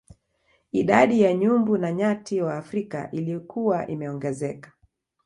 Idadi ya nyumbu na nyati wa Afrika ilikuwa imeongezeka